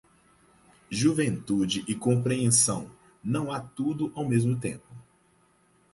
Juventude e compreensão, não há tudo ao mesmo tempo.